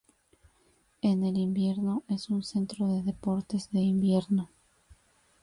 En el invierno, es un centro de deportes de invierno.